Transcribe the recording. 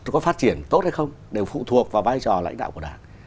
có phát triển tốt hay không đều phụ thuộc vào vai trò lãnh đạo của đảng